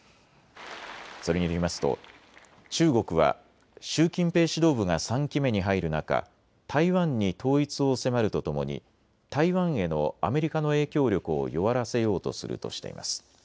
それによりますと中国は習近平指導部が３期目に入る中、台湾に統一を迫るとともに台湾へのアメリカの影響力を弱らせようとするとしています。